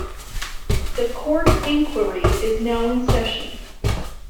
The court of inquiry is now in session!